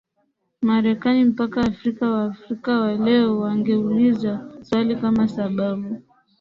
Marekani mpaka Afrika Waafrika wa leo wangeuliza swali kama sababu